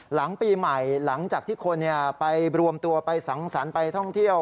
หลังปีใหม่หลังจากที่คนไปรวมตัวไปสังสรรค์ไปท่องเที่ยว